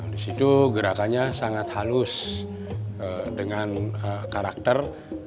di situ gerakannya sangat halus dengan karakter